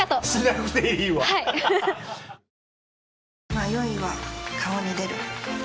迷いは顔に出る。